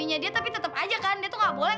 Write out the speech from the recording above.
saya nggak tahu apa yang harus aku lakuin